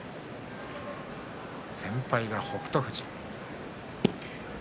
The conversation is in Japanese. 先輩が北勝富士。